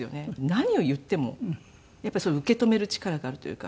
何を言ってもやっぱりそれを受け止める力があるというか。